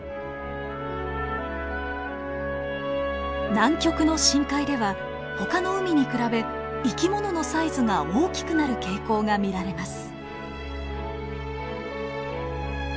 南極の深海ではほかの海に比べ生き物のサイズが大きくなる傾向が見られます。